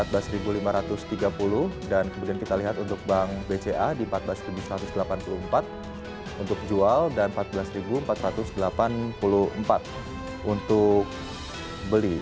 bank bca empat belas satu ratus delapan puluh empat untuk kurs jual dan empat belas empat ratus delapan puluh empat untuk kurs beli